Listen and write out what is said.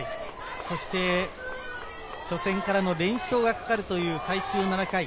そして初戦からの連勝がかかるという最終７回。